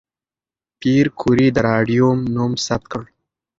پېیر کوري د راډیوم نوم ثبت کړ.